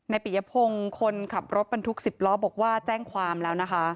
ปิยพงศ์คนขับรถบรรทุก๑๐ล้อบอกว่าแจ้งความแล้วนะคะ